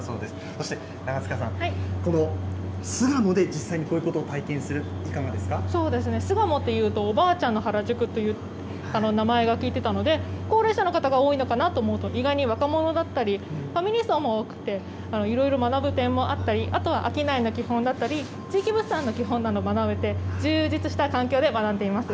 そして、永塚さん、この巣鴨で実際にこういうことを体験するって、そうですね、巣鴨というと、おばあちゃんの原宿という名前を聞いてたので、高齢者の方が多いのかなと思うと、意外に若者だったり、ファミリー層も多くて、いろいろ学ぶ点もあったり、あとは商いの基本だったり、地域物産の基本などをならべて、充実した環境で学んでいます。